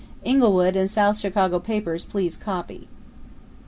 Englewood and South Chicago papers please copy.